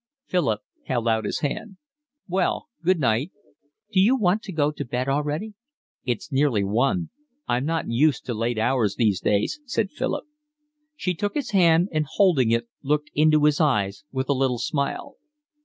Philip held out his hand. "Well, good night." "D'you want to go to bed already?" "It's nearly one. I'm not used to late hours these days," said Philip. She took his hand and holding it looked into his eyes with a little smile.